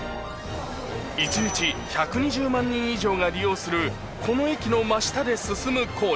影１２０万人以上が利用するこの駅の真下で進む工事。